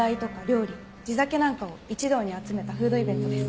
酒なんかを一堂に集めたフードイベントです。